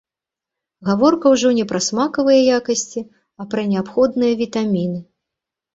Гаворка ўжо не пра смакавыя якасці, а пра неабходныя вітаміны.